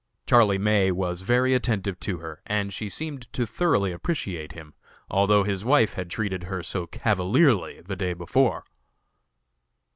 Charlie May was very attentive to her, and she seemed to thoroughly appreciate him, although his wife had treated her so cavalierly the day before.